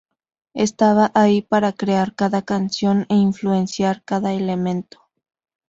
Estaba ahí para crear cada canción e influenciar cada elemento".